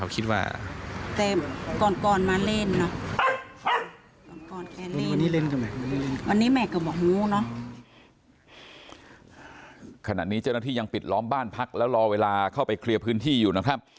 ขนาดนี้เจ้าหน้าที่ยังปิดล้อมบ้านพักแล้วรอเวลาเข้ามาเล่นนะครับ